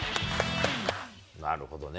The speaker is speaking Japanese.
なるほどね。